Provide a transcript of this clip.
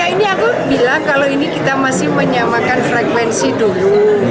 ini aku bilang kalau ini kita masih menyamakan frekuensi dulu